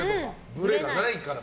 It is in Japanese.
ブレがないから。